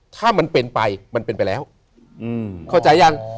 ถ้ามันเป็นไปมันเป็นไปแล้วเข้าใจยัง